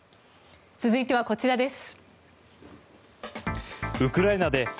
続いてはこちらです。